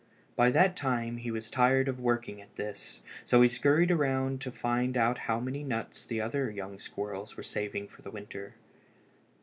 By that time he was tired of working at this, so he scurried around to find out how many nuts the other young squirrels were saving for the winter.